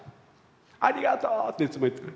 「ありがとう！」っていつも言ってる。